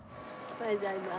おはようございます。